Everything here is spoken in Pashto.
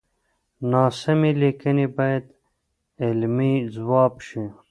ناسمې ليکنې بايد علمي ځواب شي.